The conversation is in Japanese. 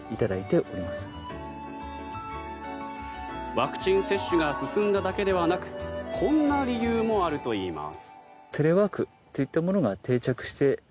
ワクチン接種が進んだだけではなくこんな理由もあるといいます。